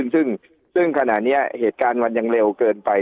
ซึ่งขณะนี้เหตุการณ์มันยังเร็วเกินไป